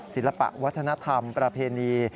ศิลปะวัฒนธรรมประเพณี